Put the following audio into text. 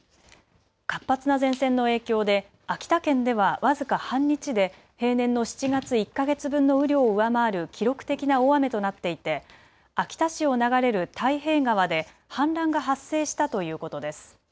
活発な前線の影響で秋田県では僅か半日で平年の７月１か月分の雨量を上回る記録的な大雨となっていて、秋田市を流れる太平川で氾濫が発生したということです。